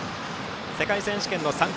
世界選手権の参加